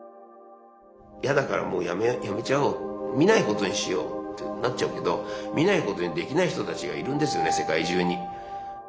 嫌だからもう辞めちゃおう見ないことにしようってなっちゃうけど見ないことにできない人たちがいるんですよね世界中に。